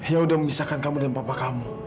yang udah memisahkan kamu dan papa kamu